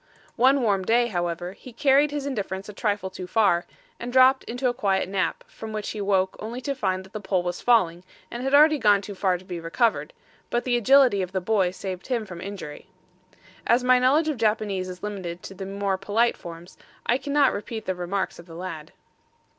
One warm day, however, he carried his indifference a trifle too far, and dropped into a quiet nap, from which he woke only to find that the pole was falling and had already gone too far to be recovered, but the agility of the boy saved him from injury. As my knowledge of Japanese is limited to the more polite forms, I cannot repeat the remarks of the lad.